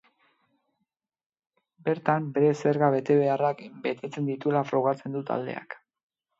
Bertan bere zerga betebeharrak betetzen dituela frogatzen du taldeak.